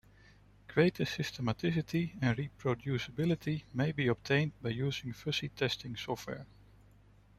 Greater systematicity and reproducibility may be obtained by using fuzz testing software.